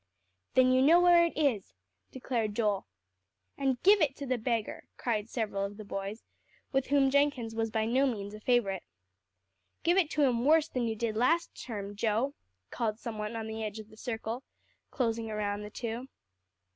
"Then you know where it is," declared Joel. "And give it to the beggar," cried several of the boys, with whom Jenkins was by no means a favorite. "Give it to him worse than you did last term, Joe," called some one on the edge of the circle closing around the two.